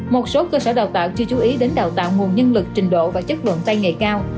một số cơ sở đào tạo chưa chú ý đến đào tạo nguồn nhân lực trình độ và chất lượng tay nghề cao